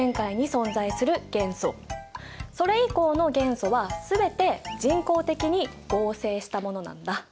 それ以降の元素は全て人工的に合成したものなんだ。